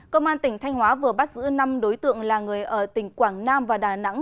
công an tỉnh thanh hóa vừa bắt giữ năm đối tượng là người ở tỉnh quảng nam và đà nẵng